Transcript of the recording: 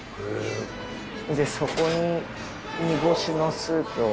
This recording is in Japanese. そこに煮干しのスープを。